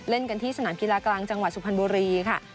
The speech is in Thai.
เล่นกันที่สนามกีฬากลางจังหวัดสุพรรณบุรีค่ะ